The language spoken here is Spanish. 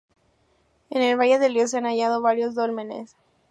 En el valle del río se han hallado varios dólmenes.